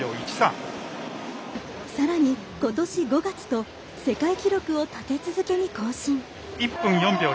さらに、ことし５月と世界記録を立て続けに更新。